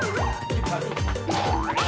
sik di sini